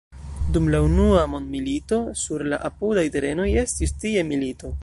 Dum la Unua Mondmilito sur la apudaj terenoj estis tie milito.